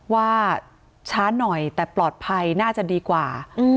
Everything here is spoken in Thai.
ว่าช้าหน่อยแต่ปลอดภัยน่าจะดีกว่า